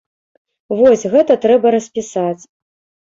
Вось, гэта трэба распісаць.